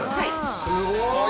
すごい！